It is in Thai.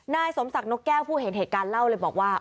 นายสมศักดิ์นกแก้วผู้เห็นเหตุการณ์เล่าเลยบอกว่า